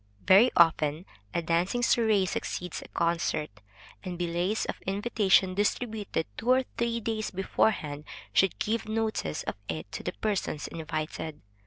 Very often a dancing soirée succeeds a concert, and billets of invitation distributed two or three days beforehand should give notice of it to the persons invited.